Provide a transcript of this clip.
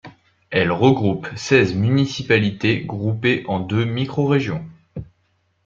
Elle regroupe seize municipalités groupées en deux microrégions.